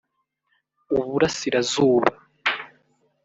Uburasirazuba